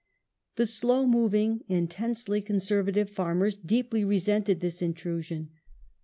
The slow moving, intensely conservative farmers deeply resented this intrusion.